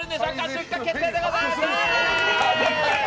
出荷決定でございます。